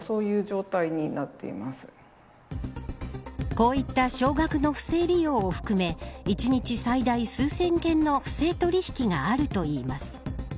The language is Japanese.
こういった少額の不正利用を含め１日最大数千件の不正取引があるといいます。